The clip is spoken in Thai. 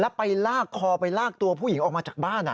แล้วไปลากคอไปลากตัวผู้หญิงออกมาจากบ้าน